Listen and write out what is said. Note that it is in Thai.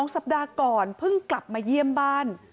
สัปดาห์ก่อนเพิ่งกลับมาเยี่ยมบ้าน